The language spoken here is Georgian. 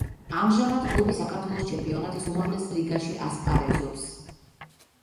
ამჟამად კლუბი საქართველოს ჩემპიონატის უმაღლეს ლიგაში ასპარეზობს.